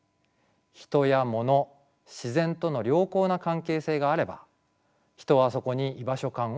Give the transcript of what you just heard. ヒトやモノ自然との良好な関係性があれば人はそこに居場所感を抱きます。